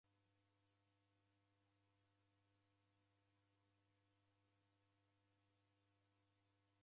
Idime diashoma malagho mawi'shi.